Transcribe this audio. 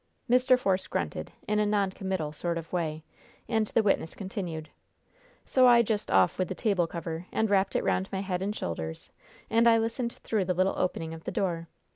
Mr. Force grunted, in a non committal sort of way, and the witness continued: "So I just off with the table cover, and wrapped it round my head and shoulders, and I listened through the little opening of the door.